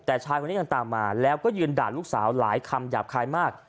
แต่ชายคนนี้ยังตามมาแล้วก็ยืนด่าลูกสาวหลายคำหยาบคายมาก